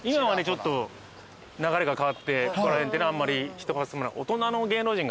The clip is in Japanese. ちょっと流れが変わってここら辺ってあんまり人が住まない。